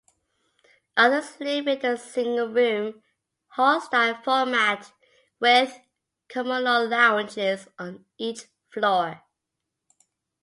Others live in a single-room, hall-style format with communal lounges on each floor.